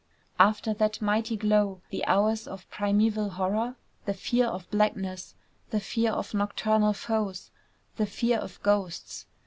After that mighty glow, the hours of primeval horror, the fear of blackness, the fear of nocturnal foes, the fear of ghosts.